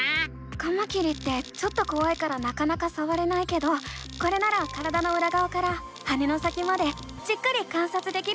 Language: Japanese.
カマキリってちょっとこわいからなかなかさわれないけどこれなら体のうらがわから羽の先までじっくり観察できるね！